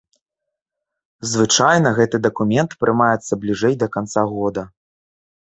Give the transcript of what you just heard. Звычайна гэты дакумент прымаецца бліжэй да канца года.